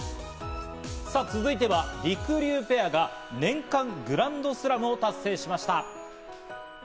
さぁ、続いてはりくりゅうペアが年間グランドスラムを達成しました。